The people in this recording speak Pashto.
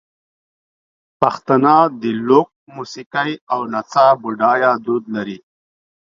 پښتانه د لوک موسیقۍ او نڅا بډایه دود لري.